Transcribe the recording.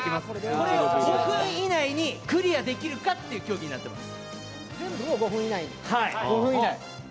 これを５分以内にクリアできるかというゲームになっています。